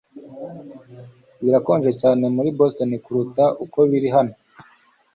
Birakonje cyane muri Boston kuruta uko biri hano.